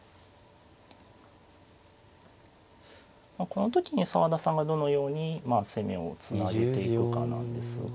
この時に澤田さんがどのようにまあ攻めをつなげていくかなんですが。